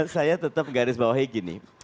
saya tetap garis bawahi gini